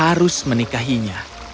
dan aku harus menikahinya